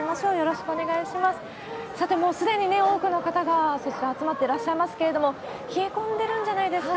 さて、もうすでに多くの方がそちら、集まっていらっしゃいますけれども、冷え込んでるんじゃないですか？